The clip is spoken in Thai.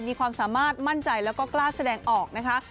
มีความสามารถมั่นใจแล้วก็กล้าแสดงออกนะคะ